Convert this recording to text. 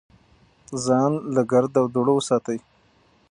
ځان له ګرد او دوړو وساتئ.